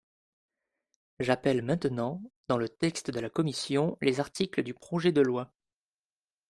J’appelle maintenant, dans le texte de la commission, les articles du projet de loi.